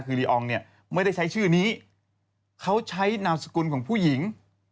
คือรีอองเนี่ยไม่ได้ใช้ชื่อนี้เขาใช้นามสกุลของผู้หญิง